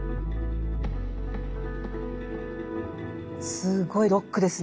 すごいロックですね。